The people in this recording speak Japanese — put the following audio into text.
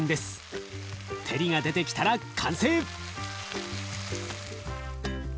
照りが出てきたら完成！